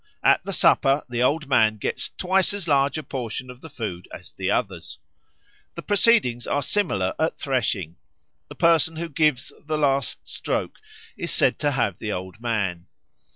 At the supper the Old Man gets twice as large a portion of the food as the others. The proceedings are similar at threshing; the person who gives the last stroke is said to have the Old Man.